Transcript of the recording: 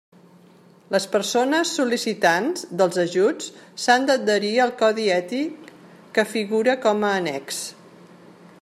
Les persones sol·licitants dels ajuts s'han d'adherir al codi ètic que figura com a annex.